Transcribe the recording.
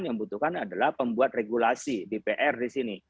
yang membutuhkan adalah pembuat regulasi dpr di sini